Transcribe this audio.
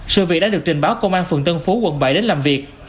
sự việc đã được trình báo công an phường tân phú quận bảy đến làm việc